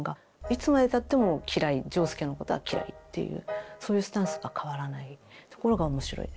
いつまでたっても嫌い仗助のことは嫌いというそういうスタンスが変わらないところがおもしろいです。